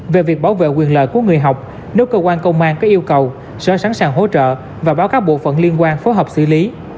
về việc bảo vệ quyền lợi của người học nếu cơ quan công an có yêu cầu sở sẵn sàng hỗ trợ và báo các bộ phận liên quan phối hợp xử lý